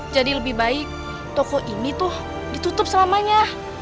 jadi lebih baik toko ini tuh ditutup selamanya